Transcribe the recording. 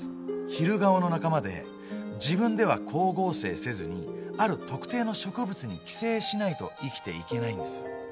ヒルガオの仲間で自分では光合成せずにある特定の植物に寄生しないと生きていけないんです。